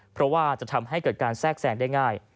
เพราะว่าจะทำให้เกิดการแทรกแซงได้ง่าย